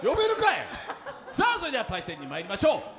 それでは対戦にまいりましょう。